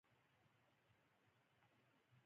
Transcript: کلي د افغانستان د پوهنې په نصاب کې دي.